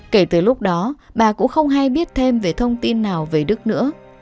kể từ lúc đó bà cũng không hay biết thêm về thông tin nào về đức nữa